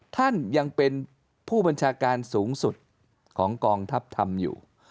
ท่านยังเป็นผู้บัญชาการสูงสุดของกองทัพธรรมอยู่